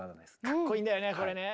かっこいいんだよねこれね。